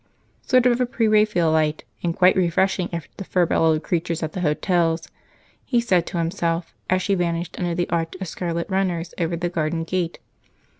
"Sort of pre Raphaelite, and quite refreshing after the furbelowed creatures at the hotels," he said to himself as she vanished under the arch of scarlet runners over the garden gate.